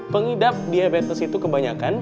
pengidap diabetes itu kebanyakan